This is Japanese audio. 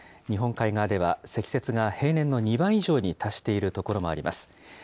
日本海側では積雪が平年の２倍以上に達している所もあります。